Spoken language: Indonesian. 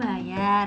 emang ujiannya bayar